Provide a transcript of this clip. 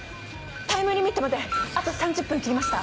タイムリミットまであと３０分切りました。